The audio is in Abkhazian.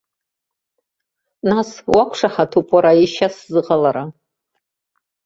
Нас, уақәшаҳаҭуп уара ешьас сзыҟалара?